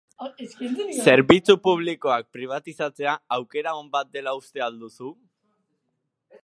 Zerbitzu publikoak pribatizatzea aukera on bat dela uste al duzu?